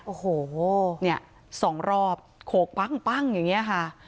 โอ้โหเนี่ยสองรอบโขกปั้งอย่างนี้ค่ะ